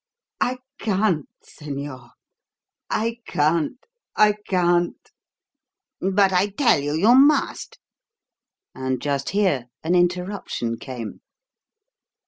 "I can't, señor I can't! I can't!" "But I tell you you must." And just here an interruption came.